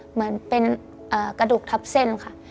เหมือนเป็นกระดูกทับเส้นค่ะ